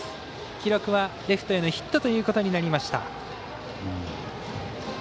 記録はレフトへのヒットとなりました。